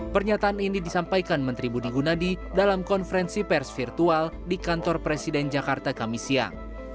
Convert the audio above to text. pernyataan ini disampaikan menteri budi gunadi dalam konferensi pers virtual di kantor presiden jakarta kami siang